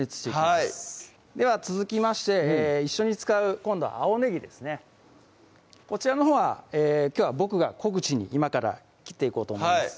はいでは続きまして一緒に使う今度は青ねぎですねこちらのほうはきょうは僕が小口に今から切っていこうと思います